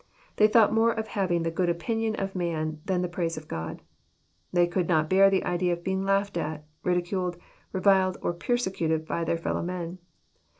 They thought more of having the good opinion of man than the praise of God. They could not bear the idea of being laughed at, ridiculed, reviled, or persecuted by their fellow men.